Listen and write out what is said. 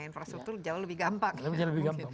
infrastruktur jauh lebih gampang